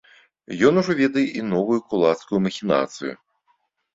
Ён ужо ведае і новую кулацкую махінацыю.